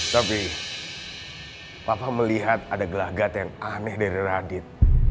tapi papa melihat ada gelagat yang aneh dari radit